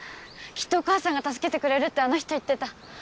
きっとお母さんが助けてくれるってあの人言ってた。